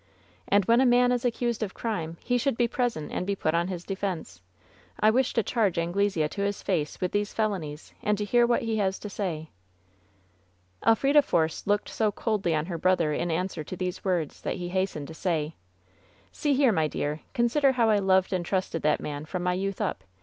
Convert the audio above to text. And when a man is accused of crime he should be present and be put upon his defense. I wish to charge Anglesea to his face with these felonies and to hear what he has to say." Elfrida Force looked so coldly on her brother in an swer to these words that he hastened to say : "See here, my dear. Consider how I loved and trusted that man from my youth up.